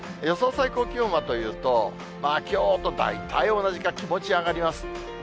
最高気温はというと、きょうと大体同じか、気持ち上がります。